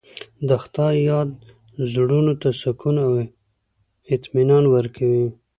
د خدای یاد زړونو ته سکون او اطمینان ورکوي.